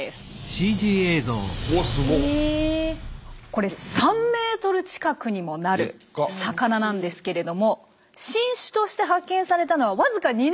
これ３ｍ近くにもなる魚なんですけれども新種として発見されたのはわずか２年前の２０２０年。